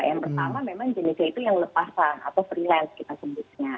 yang pertama memang jenisnya itu yang lepasan atau freelance kita sebutnya